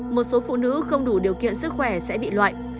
một số phụ nữ không đủ điều kiện sức khỏe sẽ bị loại